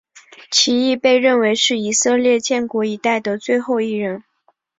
其亦被认为是以色列建国一代的最后一人。